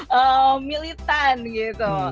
ya militan gitu